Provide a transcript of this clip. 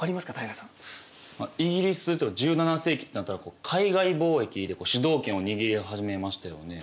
まあイギリスとか１７世紀ってなったら海外貿易で主導権を握り始めましたよね。